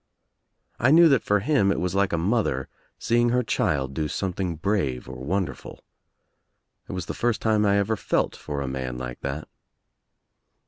I knew that for him it was like a mother seeing her child do something brave or wonder ful. It was the first time I ever felt for a man like that.